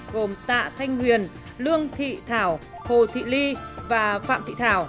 gồm tạ thanh huyền lương thị thảo hồ thị ly và phạm thị thảo